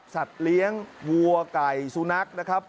เลี้ยงวัวไก่สุนัขนะครับ